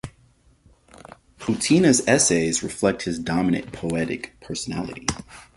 PuTiNa's essays reflect his dominant poetic personality.